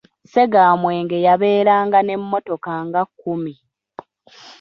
Ssegamwenge yabeeranga n'emmotoka nga kkumi.